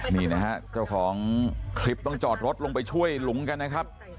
นี่นะฮะเจ้าของคลิปต้องจอดรถลงไปช่วยหลุมกันนะครับ